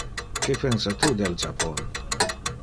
Que pensa tu del Japon?